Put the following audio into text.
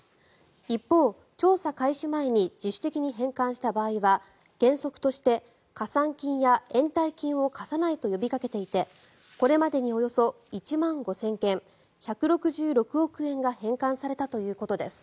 一方、調査開始前に自主的に返還した場合は原則として加算金や延滞金を課さないと呼びかけていてこれまでにおよそ１万５０００件１６６億円が返還されたということです。